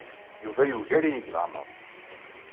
Yuba yugar-iyi deg leɛmeṛ.